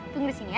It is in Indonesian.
tunggu disini ya